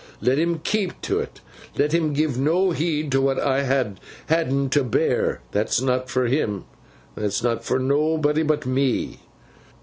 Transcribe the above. Let him keep to 't. Let him give no heed to what I ha had'n to bear. That's not for him. That's not for nobbody but me.